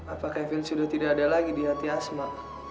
apa kevin sudah tidak ada lagi di hati asma